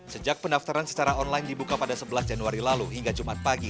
sejak pendaftaran secara online dibuka pada sebelas januari lalu hingga jumat pagi